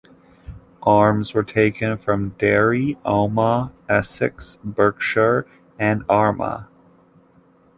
Arms were taken from Derry, Omagh, Essex, Berkshire and Armagh.